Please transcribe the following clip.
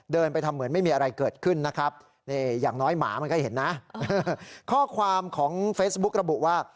ไปทำเหมือนไม่มีอะไรเกิดขึ้นนะครับนี่อย่างน้อยหมามันก็เห็นนะข้อความของเฟซบุ๊กระบุว่า